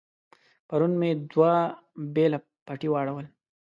پرون مې دوه بېله پټي واړول.